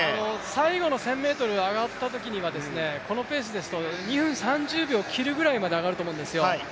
最後の１０００ｍ上がったときにはこのペースですと２分３０秒切るぐらいまで上がると思うんですよ。